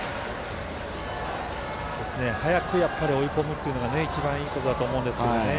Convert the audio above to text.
早く追い込むというのが一番いいことだと思うんですよね。